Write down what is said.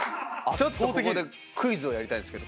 ちょっとここでクイズをやりたいんですけど